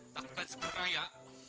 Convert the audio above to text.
lakukan segera ya